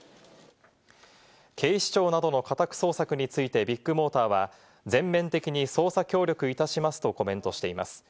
警視庁などの家宅捜索について、ビッグモーターは全面的に捜査協力いたしますとコメントしています。